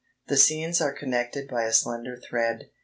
The scenes are connected by a slender thread.